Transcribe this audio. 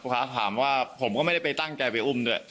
ครับถามว่าผมก็ไม่ได้ไปตั้งใจไปอุ้มด้วย